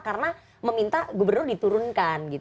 karena meminta gubernur diturunkan